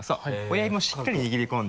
親指もしっかり握り込んで。